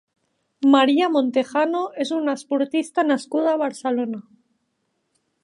María Montejano és una esportista nascuda a Barcelona.